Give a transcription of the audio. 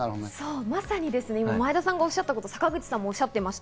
まさに前田さんがおっしゃったことを坂口さんもおっしゃっています。